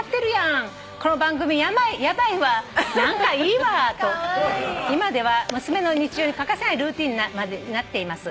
「『この番組ヤバいわ何かいいわ』と今では娘の日常に欠かせないルーティンにまでなっています」